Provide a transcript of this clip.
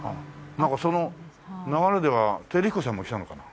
なんかその流れでは輝彦さんも来たのかな？